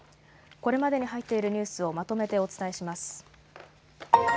これまでに入っているニュースをまとめてお伝えします。